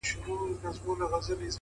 هوښیار انتخاب پښېماني راکموي’